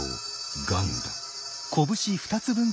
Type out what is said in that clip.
がんだ。